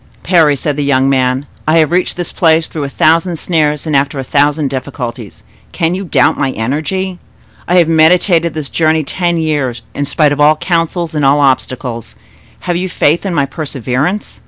"Parry," said the young man, "I have reached this place through a thousand snares and after a thousand difficulties; can you doubt my energy? I have meditated this journey ten years, in spite of all counsels and all obstacles—have you faith in my perseverance?